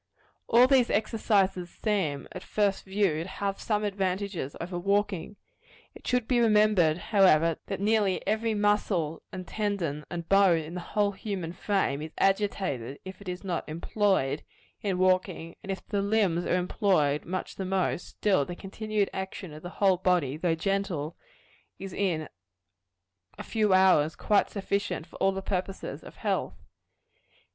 All these exercises seem, at first view, to have some advantages over walking. It should be remembered however, that nearly every muscle, and tendon, and bone in the whole human frame, is agitated, if it is not employed, in walking; and if the limbs are employed much the most, still the continued action of the whole body, though gentle, is in a few hours quite sufficient for all the purposes of health.